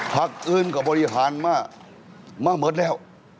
ภักดิ์อื่นก็บริหารมาเมื่อเหมือนแล้ว